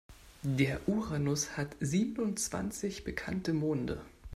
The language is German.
Der Uranus hat siebenundzwanzig bekannte Monde.